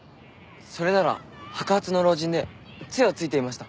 それなら白髪の老人で杖をついていました。